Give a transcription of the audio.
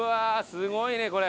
すごいねこれ。